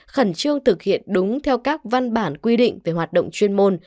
khẩn trương thực hiện đúng theo các văn bản quy định về hoạt động chuyên môn